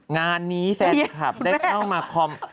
งานนี้แฟนคลับได้เข้ามาคอม